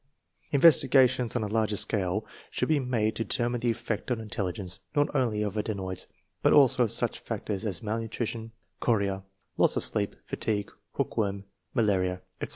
Investigations on a larger scale should be made to determine the effects on intelligence not only of ade noids, but also of such factors as malnutrition, chorea, loss of sleep, fatigue, hookworm, 1 malaria, etc.